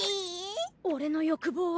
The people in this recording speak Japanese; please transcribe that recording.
俺の欲望は。